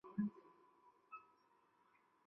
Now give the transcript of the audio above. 同治三年逝世。